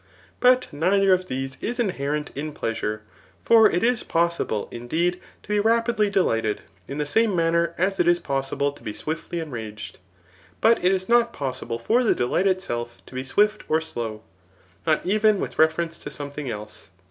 But neither of these is inherent in pleasure. For it is possible, indeed, to be rapidly de lighted, in the same manner as it is possible to be swift ly enraged ; but it is not possible for the delight itself to be swift or slow, not even with reference to something else.